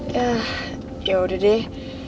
yah yaudah deh